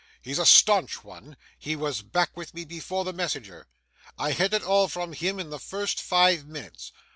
He's a staunch one; he was back with me before the messenger. I had it all from him in the first five minutes.